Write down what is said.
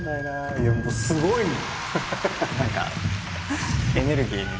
いやもうすごいもん。